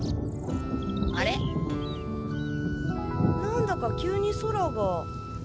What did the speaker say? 何だか急に空が。